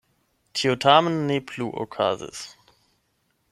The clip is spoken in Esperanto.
Tio tamen ne plu okazis.